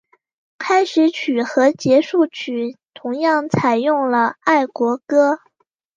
开始曲和结束曲同样采用了爱国歌。